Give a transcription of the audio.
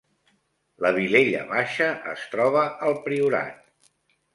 La Vilella Baixa es troba al Priorat